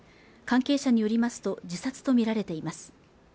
関係者によりますと自殺と見られています